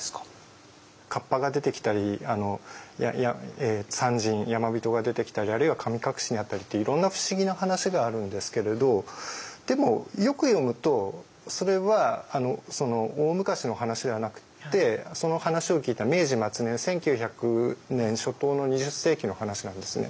河童が出てきたり山人が出てきたりあるいは神隠しにあったりっていろんな不思議な話があるんですけれどでもよく読むとそれは大昔の話ではなくってその話を聞いた明治末年１９００年初頭の２０世紀の話なんですね。